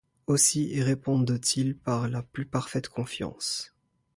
Aussi y répondent-ils par la plus parfaite confiance.